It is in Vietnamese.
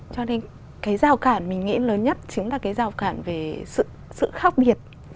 cho nên cái rào cản mình nghĩ lớn nhất chính là cái rào cản về sự khác biệt